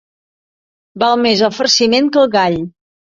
Val més el farciment que el gall.